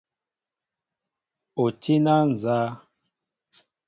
O tí na nzá ?